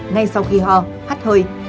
ngay sau khi ho khát hơi